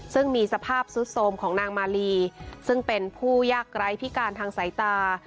ซึ่งมีสภาพซุดโทรมของนางมาลีซึ่งเป็นผู้ยากไร้พิการทางสายตา